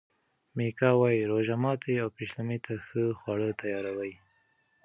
میکا وايي روژه ماتي او پیشلمي ته ښه خواړه تیاروي.